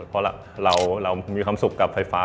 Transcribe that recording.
เพราะเรามีความสุขกับไฟฟ้า